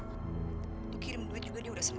kira kira duit juga dia udah semua